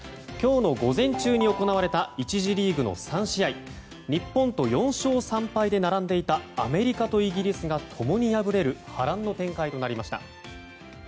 今日の午前中に行われた１次リーグの３試合日本と４勝３敗で並んでいたアメリカとイギリスが共に敗れる波乱の展開となりました。